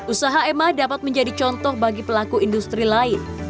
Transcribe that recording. usaha emma dapat menjadi contoh bagi pelaku industri lain